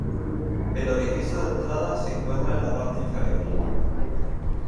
El orificio de entrada se encuentra en la parte inferior.